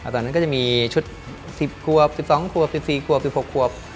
ตอนนั้นก็จะมีชุด๑๐ควบ๑๒ควบ๑๔ควบ๑๖ควบ